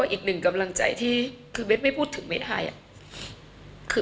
อีกหนึ่งกำลังใจที่คือเบสไม่พูดถึงเบสไทย